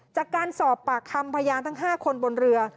จากการสอบปากคำพยานทั้ง๕คนบนเรือ